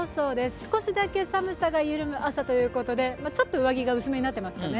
少しだけ寒さが緩む朝ということでちょっと上着が薄めになっていますよね。